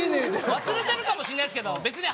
忘れてるかもしんないすけど別に。